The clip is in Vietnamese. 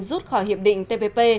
rút khỏi hiệp định tpp